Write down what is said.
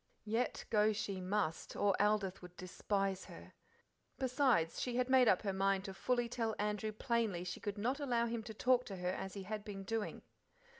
Yet go she must, or Aldith would despise her. Besides, she had made up her mind fully to tell Andrew plainly she could not allow him to talk to her as he had been doing.